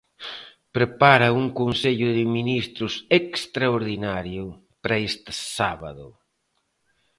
Prepara un consello de ministros extraordinario para este sábado.